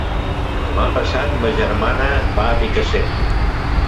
Demà passat ma germana va a Picassent.